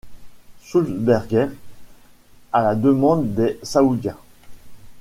Sulzberger à la demande des Saoudiens.